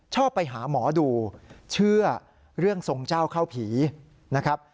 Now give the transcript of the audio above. ชอบไปหาหมอดูเชื่อเรื่องทรงเจ้าเข้าผีนะครับ